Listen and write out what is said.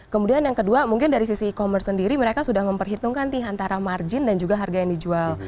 kemudian yang kedua mungkin dari sisi e commerce sendiri mereka sudah memperhitungkan antara margin dan juga harga yang dijual